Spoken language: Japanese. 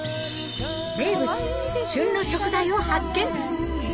名物旬の食材を発見！